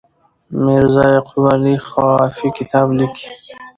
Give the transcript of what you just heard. میرزا یعقوب علي خوافي کتاب لیکي.